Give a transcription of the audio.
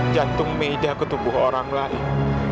jantung media ketubuh orang lain